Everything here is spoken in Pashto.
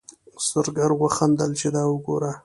زرګر وخندل چې دا وګوره.